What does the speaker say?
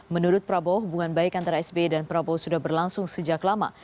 menurut prabowo hubungan baik antara sbe dan prabowo sudah berlangsung sejak lama